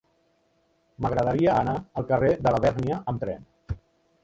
M'agradaria anar al carrer de Labèrnia amb tren.